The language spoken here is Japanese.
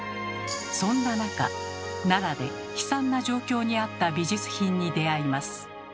そんな中奈良で悲惨な状況にあった美術品に出会います。